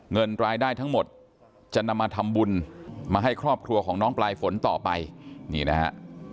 เงินรายได้ทั้งหมดจะนำมาทำบุญมาให้ครอบครัวของน้องปลายฝนต่อไปนี่นะฮะ